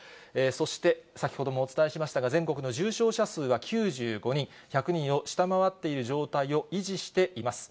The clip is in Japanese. そして、先ほどもお伝えしましたが、全国の重症者数は９５人、１００人を下回っている状態を維持しています。